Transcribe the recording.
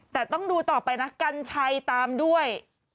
แต่ต้องดูต่อไปนะกัญชัยตามด้วย